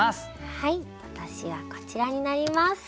はい私はこちらになります。